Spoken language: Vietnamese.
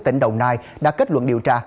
tỉnh đồng nai đã kết luận điều tra